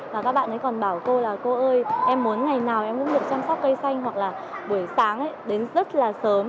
và các bạn ấy còn bảo cô là cô ơi em muốn ngày nào em muốn được chăm sóc cây xanh hoặc là buổi sáng đến rất là sớm